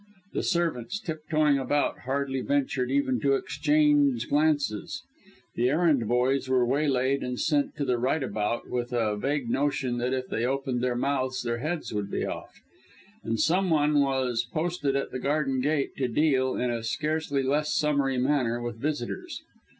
The servants, tiptoeing about, hardly ventured even to exchange glances; the errand boys were waylaid and sent to the right about, with a vague notion that if they opened their mouths their heads would be off; and some one was posted at the garden gate to deal, in a scarcely less summary manner, with visitors.